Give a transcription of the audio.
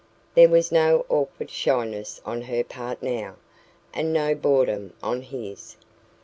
There was no awkward shyness on her part now, and no boredom on his.